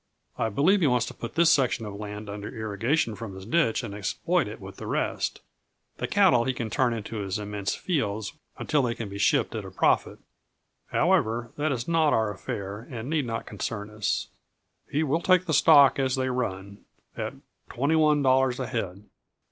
I believe he wants to put this section of land under irrigation from his ditch and exploit it with the rest; the cattle he can turn into his immense fields until they can be shipped at a profit. However, that is not our affair and need not concern us. "He will take the stock as they run, at twenty one dollars a head.